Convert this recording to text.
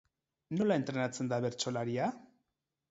Nola entrenatzen da bertsolaria?